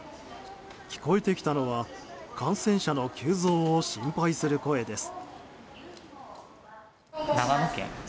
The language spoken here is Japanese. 聞こえてきたのは感染者の急増を心配する声です。